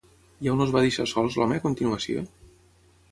I a on els va deixar sols l'home a continuació?